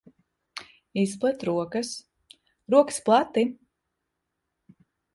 Izplet rokas. Rokas plati!